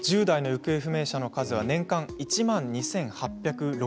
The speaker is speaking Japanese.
１０代の行方不明者の数は年間１万２８６０人。